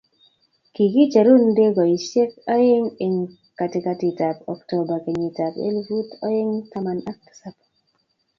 Kikicheru ndegesiek oeng' eng' katikatitab Oktoba kenyitab efut oeng' taman ak tisap.